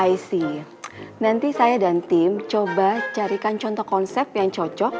ic nanti saya dan tim coba carikan contoh konsep yang cocok